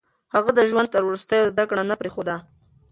هغه د ژوند تر وروستيو زده کړه نه پرېښوده.